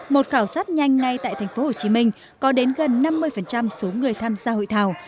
một khảo sát nhanh ngay tại tp hcm có đến gần năm mươi số người tham gia hội thảo